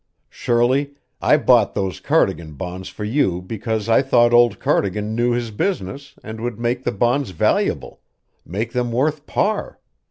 Shirley, I bought those Cardigan bonds for you because I thought old Cardigan knew his business and would make the bonds valuable make them worth par.